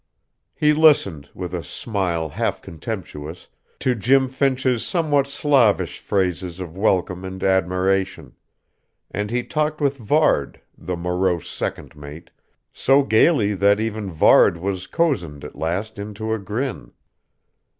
He listened, with a smile half contemptuous, to Jim Finch's somewhat slavish phrases of welcome and admiration; and he talked with Varde, the morose second mate, so gayly that even Varde was cozened at last into a grin.